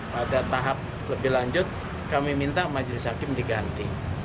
pada tahap lebih lanjut kami minta majelis hakim diganti